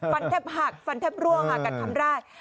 ฟันแท็บหักฟันแท็บร่วงค่ะกันทำได้